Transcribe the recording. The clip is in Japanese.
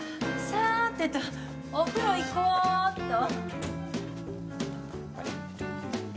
さてと、お風呂行こうっと。